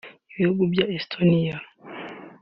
Ibihugu bya Estonia